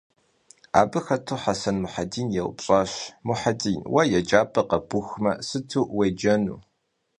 Abı xetu Hesen Muhedin yêupş'aş: - Muhedin, vue yêcap'er khebuxme, sıtu vuêcenu?